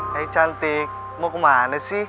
yang cantik mau kemana sih